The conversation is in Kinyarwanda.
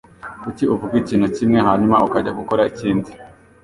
Kuki uvuga ikintu kimwe, hanyuma ukajya gukora ikindi?